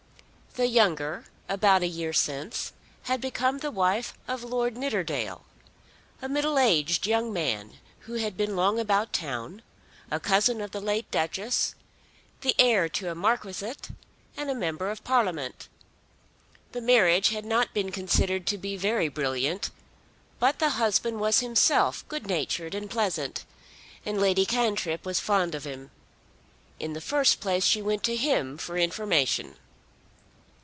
The younger about a year since had become the wife of Lord Nidderdale, a middle aged young man who had been long about town, a cousin of the late Duchess, the heir to a marquisate, and a Member of Parliament. The marriage had not been considered to be very brilliant; but the husband was himself good natured and pleasant, and Lady Cantrip was fond of him. In the first place she went to him for information.